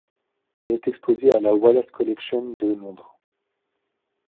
Il est exposé à la Wallace Collection de Londres.